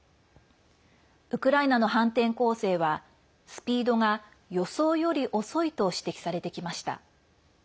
ウクライナの反転攻勢はスピードが予想より遅いと指摘されてきました。